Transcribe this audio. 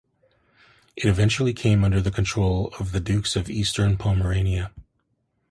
It eventually came under the control of the Dukes of Eastern Pomerania.